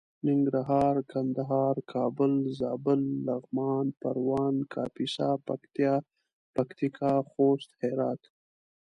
ننګرهار کندهار کابل زابل لغمان پروان کاپيسا پکتيا پکتيکا خوست هرات